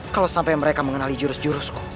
kalau sampai mereka mengenali jurus jurusku